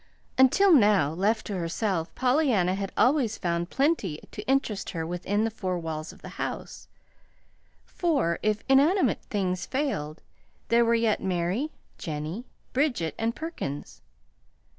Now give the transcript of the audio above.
Until now, left to herself, Pollyanna had always found plenty to interest her within the four walls of the house; for, if inanimate things failed, there were yet Mary, Jennie, Bridget, and Perkins.